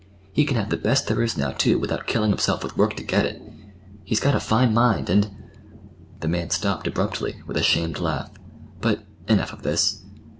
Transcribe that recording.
He can have the best there is now, too, without killing himself with work to get it. He's got a fine mind, and—" The man stopped abruptly, with a shamed laugh. "But—enough of this.